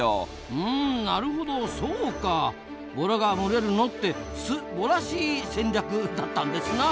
うんなるほどそうか！ボラが群れるのってすボラしい戦略だったんですな！